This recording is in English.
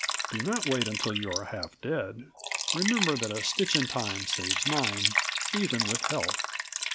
Do not wait until you are half dead remember that a stitch in time saves nine, even with health."